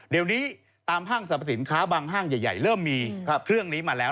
เดี๋ยวนี้ตามห้างสรรพสินค้าบางห้างใหญ่เริ่มมีเครื่องนี้มาแล้ว